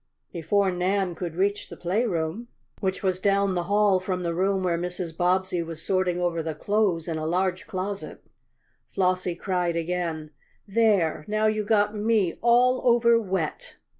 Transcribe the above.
Before Nan could reach the playroom, which was down the hall from the room where Mrs. Bobbsey was sorting over the clothes in a large closet, Flossie cried again: "There! Now you got me all over wet!"